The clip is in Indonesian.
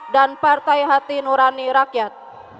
dan partai hati nurani rakyat